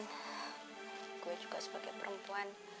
gua juga sebagai perempuan